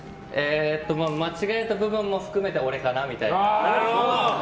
間違えた部分も含めて俺かなみたいな。